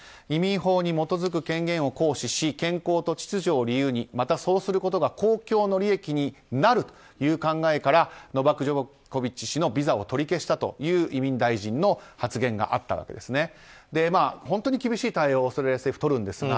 移民法に基づく権限を行使し健康と秩序を理由にまた、そうすることが公共の利益になるという考えからノバク・ジョコビッチ氏のビザを取り消したという移民大臣の発言があったわけですね。